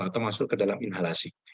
atau masuk ke dalam inhalasi